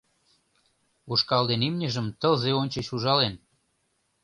Ушкал ден имньыжым тылзе ончыч ужален.